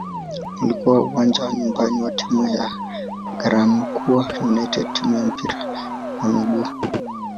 Ulikuwa uwanja wa nyumbani wa timu ya "Garankuwa United" timu ya mpira wa miguu.